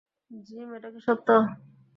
Gym, এটা কি সত্য?